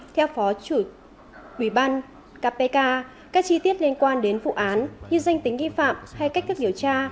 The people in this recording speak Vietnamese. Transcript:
theo phó chủ tịch ban kpk các chi tiết liên quan đến vụ án như danh tính nghi phạm hay cách thức điều tra